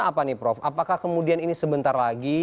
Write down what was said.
apa nih prof apakah kemudian ini sebentar lagi